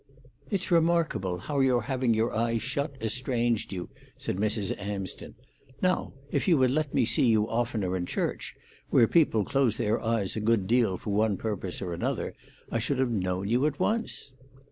"It's remarkable how your having your eyes shut estranged you," said Mrs. Amsden. "Now, if you had let me see you oftener in church, where people close their eyes a good deal for one purpose or another, I should have known you at once."